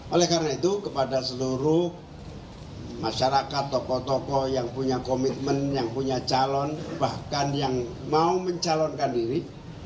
oleh karena itu kepada seluruh masyarakat tokoh tokoh yang punya komitmen yang punya calon bahkan yang mau mencalonkan diri